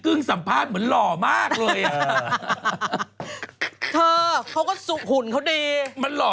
สัมภาษณ์เหมือนหล่อมากเลยอ่ะเธอเขาก็หุ่นเขาดีมันหล่อ